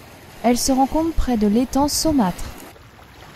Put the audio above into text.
Elle se rencontre près de l'étang Saumâtre.